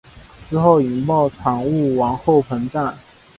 之后引爆产物往后膨胀。